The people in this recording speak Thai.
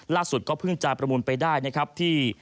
ล่าสุดก็พึ่งจากประมูลไปได้ที่